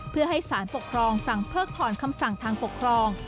เพื่อให้สารปกครองสั่งเพิกถอนคำสั่งทางปกครอง